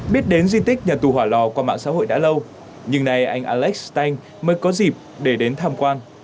biết đến di tích nhà tù hỏa lò qua mạng xã hội đã lâu nhưng nay anh alex tank mới có dịp để đến tham quan